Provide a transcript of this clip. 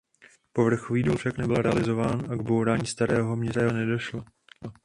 Povrchový důl však nebyl realizován a k bourání starého města nedošlo.